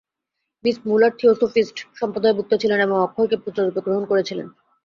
Miss Muller theosophist সম্প্রদায়ভুক্ত ছিলেন এবং অক্ষয়কে পুত্ররূপে গ্রহণ করেছিলেন।